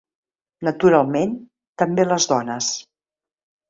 Naturalment, també les dones.